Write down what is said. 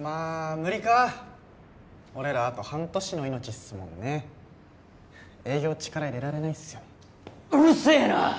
まあ無理か俺らあと半年の命っすもんね営業力入れられないっすよねうるせえな！